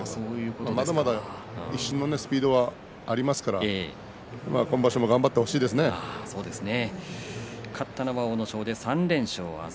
まだまだ一瞬のスピードはありますから勝ったのは阿武咲です